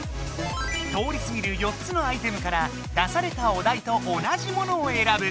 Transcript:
通りすぎる４つのアイテムから出されたおだいと同じモノをえらぶ。